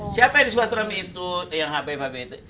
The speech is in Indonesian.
siapa yang di suami itu yang habib habib itu